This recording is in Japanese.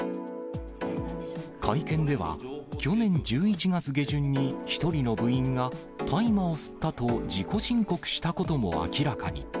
会見では、去年１１月下旬に１人の部員が、大麻を吸ったと自己申告したことも明らかに。